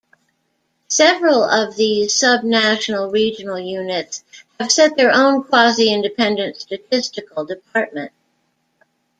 Several of these sub-national regional units have set their own quasi-independent statistical department.